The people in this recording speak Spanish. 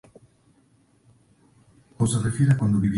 Mis esfuerzos se pueden llamar 'fair use'".